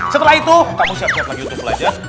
setelah itu kamu siap siap lagi untuk belajar